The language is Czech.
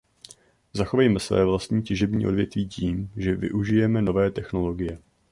Zachovejme své vlastní těžební odvětví tím, že využijeme nové technologie.